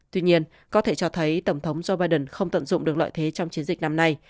tuy nhiên có thể cho thấy tổng thống joe biden không tận dụng được lợi thế trong chiến dịch năm nay